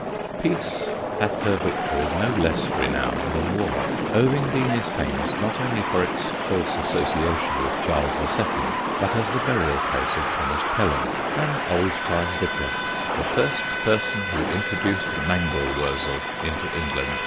Peace hath her victories no less renowned than war. Ovingdean is famous not only for its false association with Charles the Second but as the burial place of Thomas Pelling, an old time Vicar, "the first person who introduced Mangul Wurzel into England."